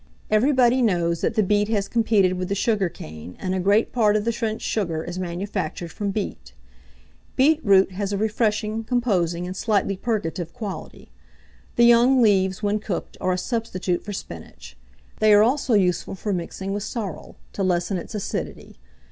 Everybody knows that the beet has competed with the sugar cane, and a great part of the French sugar is manufactured from beet. Beetroot has a refreshing, composing, and slightly purgative quality. The young leaves, when cooked, are a substitute for spinach; they are also useful for mixing with sorrel, to lessen its acidity.